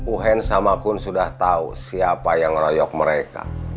uhen sama kun sudah tau siapa yang royok mereka